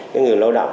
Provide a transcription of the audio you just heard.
những người lao động